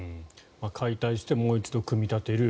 解体してもう一度組み立てる。